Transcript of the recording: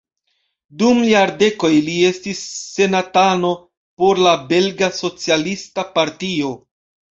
Dum jardekoj li estis senatano por la belga socialista partio.